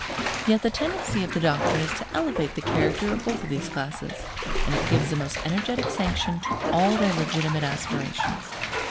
Yet the tendency of the doctrine is to elevate the character of both of these classes; and it gives a most energetic sanction to all their legitimate aspirations.